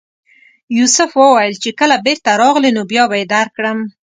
یوسف وویل چې کله بېرته راغلې نو بیا به یې درکړم.